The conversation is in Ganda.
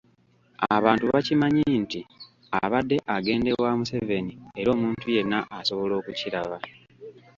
Abantu bakimanyi nti abadde agenda ewa Museveni era omuntu yenna asobola okukiraba.